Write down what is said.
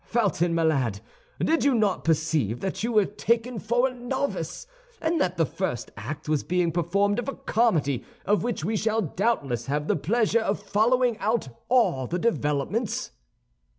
Felton, my lad, did you not perceive that you were taken for a novice, and that the first act was being performed of a comedy of which we shall doubtless have the pleasure of following out all the developments?"